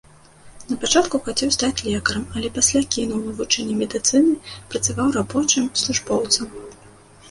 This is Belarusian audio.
Напачатку хацеў стаць лекарам, але пасля кінуў вывучэнне медыцыны, працаваў рабочым, службоўцам.